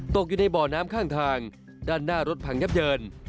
ตกอยู่ในบ่อน้ำข้างทางด้านหน้ารถพังยับเยิน